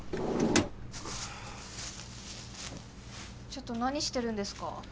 ちょっと何してるんですか？